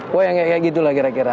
wah yang kayak gitu lah kira kira